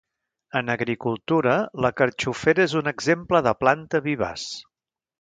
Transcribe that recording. En agricultura, la carxofera és un exemple de planta vivaç.